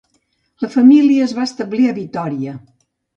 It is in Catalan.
La família es va establir a Vitòria.